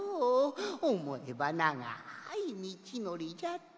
おもえばながいみちのりじゃった。